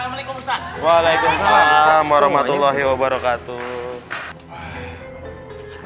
assalamualaikum warahmatullahi wabarakatuh